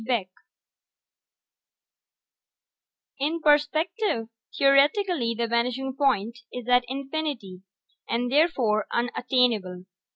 BECK _In perspective, theoretically the vanishing point is at infinity, and therefore unattainable.